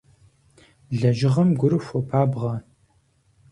Лэжьыгъэм гур хуопабгъэ.